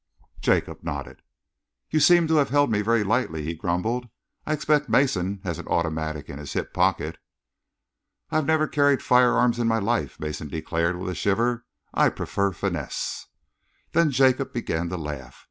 Jacob nodded. "You seem to have held me very lightly," he grumbled. "I expect Mason has an automatic in his hip pocket." "I have never carried firearms in my life," Mason declared, with a shiver. "I prefer finesse." Then Jacob began to laugh.